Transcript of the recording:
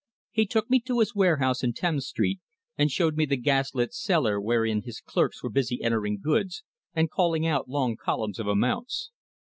He took me to his warehouse in Thames Street and showed me the gas lit cellar wherein his clerks were busy entering goods and calling out long columns of amounts.